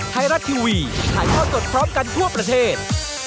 ไทยรัฐทีวีถ่ายทอดสดพร้อมกันทั่วประเทศ